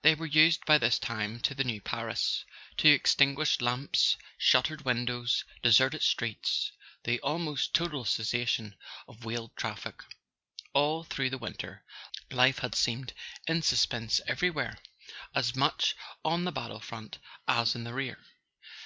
They were used by this time to the new Paris: to extin¬ guished lamps, shuttered windows, deserted streets, the [ 190 ] A SON AT THE FRONT almost total cessation of wheeled traffic. All through the winter, life had seemed in suspense everywhere, as much on the battle front as in the rear.